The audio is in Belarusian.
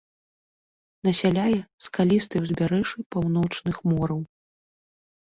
Насяляе скалістыя ўзбярэжжы паўночных мораў.